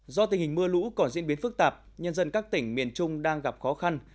do tình hình mưa lũ còn diễn biến phức tạp nhân dân các tỉnh miền trung đang gặp khó khăn